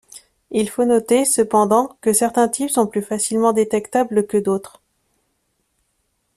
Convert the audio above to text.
Il faut noter, cependant, que certains types sont plus facilement détectables que d'autres.